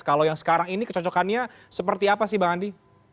kalau yang sekarang ini kecocokannya seperti apa sih bang andi